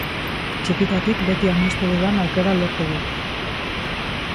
Txikitatik beti amestu dudan aukera lortu dut.